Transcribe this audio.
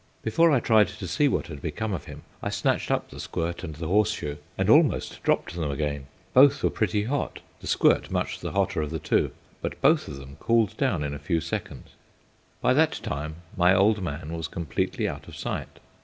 Before I tried to see what had become of him, I snatched up the squirt and the horseshoe, and almost dropped them again. Both were pretty hot the squirt much the hotter of the two; but both of them cooled down in a few seconds. By that time my old man was completely out of sight.